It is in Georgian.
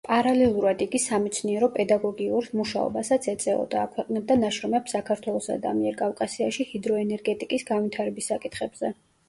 პარალელურად იგი სამეცნიერო-პედაგოგიურ მუშაობასაც ეწეოდა, აქვეყნებდა ნაშრომებს საქართველოსა და ამიერკავკასიაში ჰიდროენერგეტიკის განვითარების საკითხებზე.